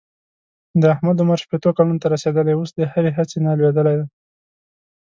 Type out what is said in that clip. د احمد عمر شپېتو کلونو ته رسېدلی اوس د هرې هڅې نه لوېدلی دی.